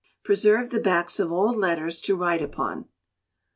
Preserve the backs of old letters to write upon.